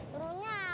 kurunya kalau lagi ini